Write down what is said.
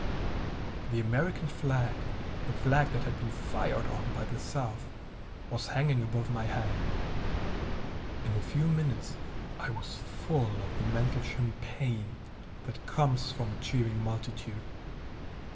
The American flag, the flag that had been fired on by the South, was hanging above my head. In a few minutes I was full of the mental champagne that comes from a cheering multitude.